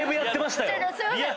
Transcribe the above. すいません。